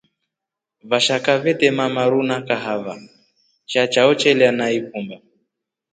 Vashaka vetema maru na kahava sha chao chelya na ikumba.